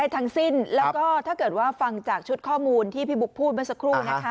ถ้าเกิดว่าฟังจากชุดข้อมูลที่พี่บุกพูดเมื่อสักครู่